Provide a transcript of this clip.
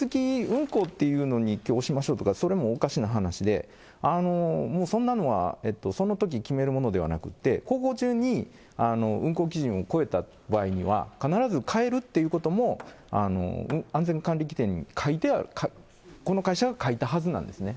それで条件付き運航っていうのにきょう、しましょうっていうのはおかしな話で、そんなのは、そのとき決めるものではなくて、に運航基準を超えた場合には、必ず帰るということも、安全管理規定に書いてある、この会社は書いたはずなんですね、